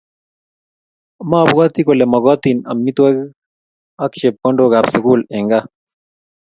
Mobwoti kole mogotin amitwogik ak chepkondokab sukul eng gaa